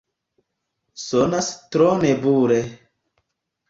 Sonas tro nebule.